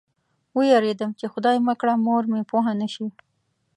وېرېدم چې خدای مه کړه مور مې پوه نه شي.